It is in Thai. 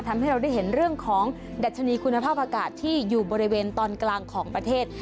ทำให้เราได้เห็นเรื่องของดัชนีคุณภาพอากาศที่อยู่บริเวณตอนกลางของประเทศ